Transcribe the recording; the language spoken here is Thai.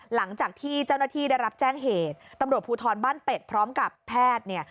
หลังจากที่เจ้าหน้าที่ได้รับแจ้งเหตุตำรวจภูทรบ้านเป็ดพร้อมกับแพทย์เนี่ย